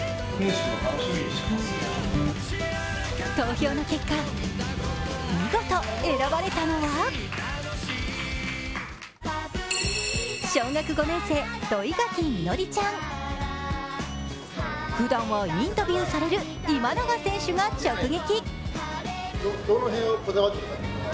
投票の結果、見事選ばれたのは小学５年生、土井垣実紀ちゃん。ふだんはインタビューされる今永選手が直撃！